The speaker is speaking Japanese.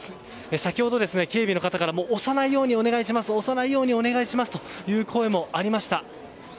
先ほど、警備の方から押さないようにお願いしますと声もありました。